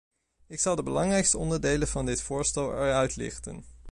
Ik zal de belangrijkste onderdelen van dit voorstel eruit lichten.